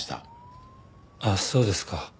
あっそうですか。